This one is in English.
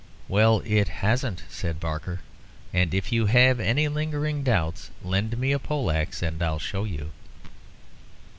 "Well, it hasn't," said Barker; "and if you have any lingering doubts, lend me a poleaxe, and I'll show you."